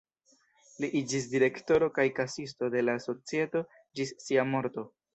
Li iĝis direktoro kaj kasisto de la societo ĝis sia morto.